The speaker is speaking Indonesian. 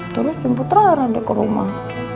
terus jemput rara deh ke rumah